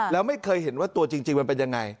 และไม่เคยเห็นว่าตัวจริงเป็นอย่างไร